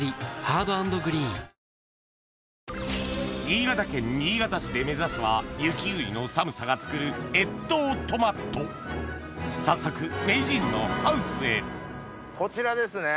新潟県新潟市で目指すは雪国の寒さがつくる早速名人のハウスへこちらですね。